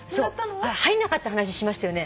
入んなかった話しましたよね？